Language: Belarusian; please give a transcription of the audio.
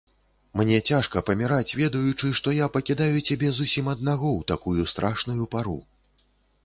Мне цяжка паміраць, ведаючы, што я пакідаю цябе зусім аднаго ў такую страшную пару.